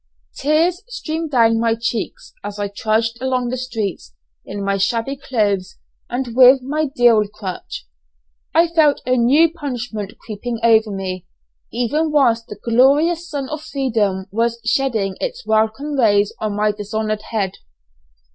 Tears streamed down my cheeks as I trudged along the streets, in my shabby clothes and with my deal crutch. I felt a new punishment creeping over me, even whilst the glorious sun of freedom was shedding its welcome rays on my dishonoured head.